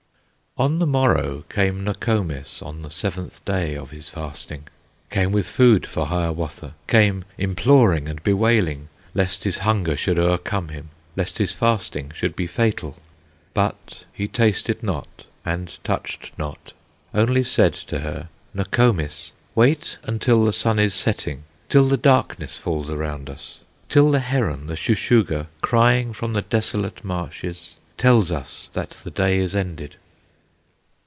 On the morrow came Nokomis, On the seventh day of his fasting, Came with food for Hiawatha, Came imploring and bewailing, Lest his hunger should o'ercome him, Lest his fasting should be fatal. But he tasted not, and touched not, Only said to her, "Nokomis, Wait until the sun is setting, Till the darkness falls around us, Till the heron, the Shuh shuh gah, Crying from the desolate marshes, Tells us that the day is ended."